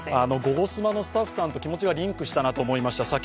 「ゴゴスマ」のスタッフさんと気持ちがリンクしたなと思いました。